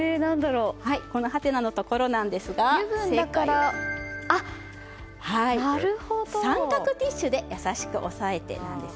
ハテナのところですが正解は三角ティッシュで優しく押さえてなんです。